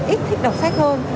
ít thích đọc sách hơn